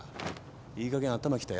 いいかげん頭きた。